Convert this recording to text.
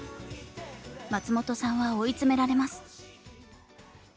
松本さんは追い詰められます。